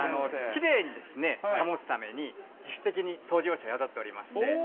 ◆きれいに保つために、自主的に掃除業者を雇っておりまして。